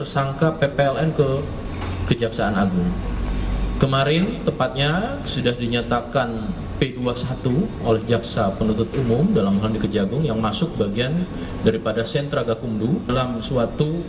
selanjutnya para tersangka menjalani persidangan untuk mempertanggungjawabkan perbuatannya